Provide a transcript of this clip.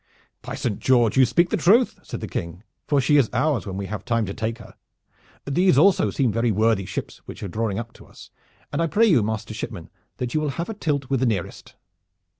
"By Saint George! you speak the truth," said the King, "for she is ours when we have time to take her. These also seem very worthy ships which are drawing up to us, and I pray you, master shipman, that you will have a tilt with the nearest."